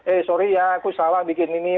eh sorry ya aku salah bikin ini